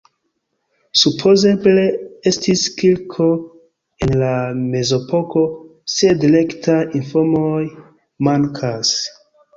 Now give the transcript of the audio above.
Supozeble estis kirko en la mezepoko, sed rektaj informoj mankas.